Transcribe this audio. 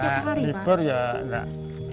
tidak libur ya enggak